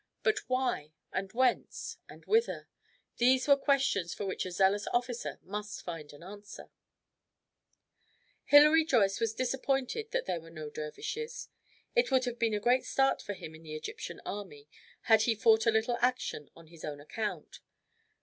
But why, and whence, and whither? these were questions for which a zealous officer must find an answer. Hilary Joyce was disappointed that there were no dervishes. It would have been a great start for him in the Egyptian army had he fought a little action on his own account.